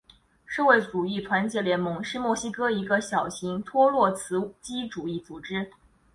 社会主义团结联盟是墨西哥的一个小型托洛茨基主义组织。